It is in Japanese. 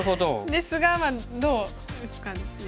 ですがどう打つかですね。